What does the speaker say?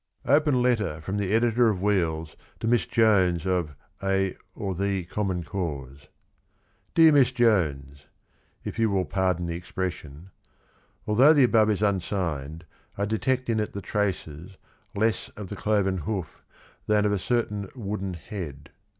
Open Letter from the Editor of Wheels to Miss Jones of A {or The) Common Cause. Dear Miss Jones (if you will pardon the expression), Though the above is unsigned, I detect in it the traces, less of the cloven hoof than of a certain wooden head.